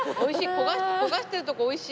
焦がしてるとこおいしい。